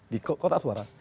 di kota aswara